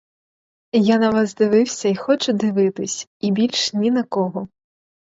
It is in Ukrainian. Я на вас дивився й хочу дивитись, і більш ні на кого.